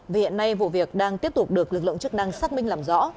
vì hiện nay vụ việc đang tiếp tục được lực lượng chức năng xác minh làm rõ